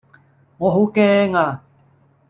我好驚呀